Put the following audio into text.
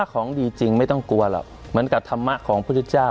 ของดีจริงไม่ต้องกลัวหรอกเหมือนกับธรรมะของพุทธเจ้า